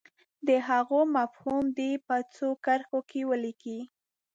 د هغو مفهوم دې په څو کرښو کې ولیکي.